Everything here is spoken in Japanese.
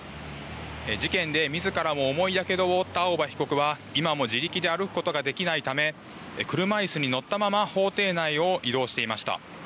事件でみずからも重いやけどを負った青葉被告は、今も自力で歩くことができないため、車いすに乗ったまま法廷内を移動していました。